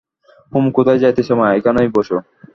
হেম, কোথায় যাইতেছ মা, এইখানে বোসো।